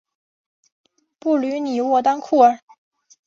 布吕尼沃当库尔。